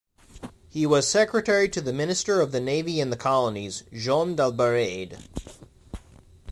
He was secretary to the Minister of the Navy and the Colonies, Jean Dalbarade.